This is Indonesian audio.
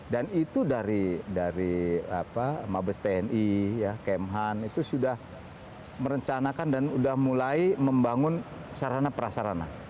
dan itu dari mabes tni kemhan itu sudah merencanakan dan sudah mulai membangun sarana prasarana